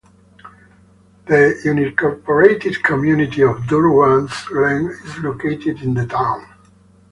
The unincorporated community of Durwards Glen is located in the town.